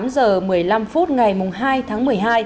tám giờ một mươi năm phút ngày hai tháng một mươi hai